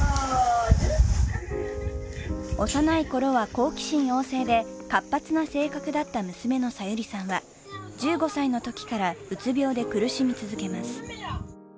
幼いころは好奇心旺盛で活発な性格だった娘の小百合さんは、１５歳のときからうつ病で苦しみ続けます。